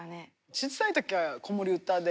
ちっさい時は子守唄で。